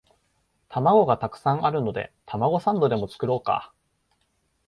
玉子がたくさんあるのでたまごサンドでも作ろうか